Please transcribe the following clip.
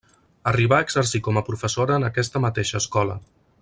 Arribà a exercir com a professora en aquesta mateixa escola.